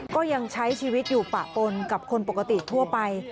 ก็ยังใช้ชีวิตอยู่ปะปนกับคนปกติทั่วไป